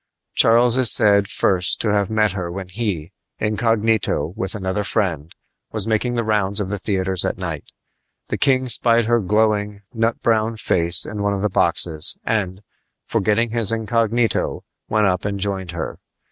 Charles is said first to have met her when he, incognito, with another friend, was making the rounds of the theaters at night. The king spied her glowing, nut brown face in one of the boxes, and, forgetting his incognito, went up and joined her.